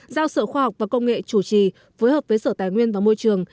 giao sở khoa học và công nghệ chủ trì phối hợp với sở tài nguyên và môi trường